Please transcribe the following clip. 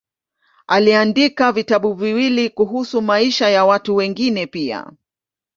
Aliandika vitabu viwili kuhusu maisha ya watu wengine pia.